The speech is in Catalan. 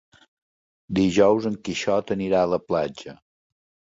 Dijous en Quixot anirà a la platja.